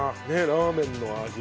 ラーメンの味。